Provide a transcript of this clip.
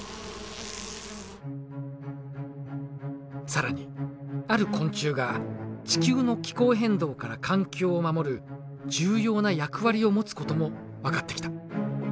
更にある昆虫が地球の気候変動から環境を守る重要な役割を持つことも分かってきた。